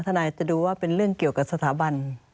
ทนายจะดูว่าเป็นเรื่องเกี่ยวกับสถาบัน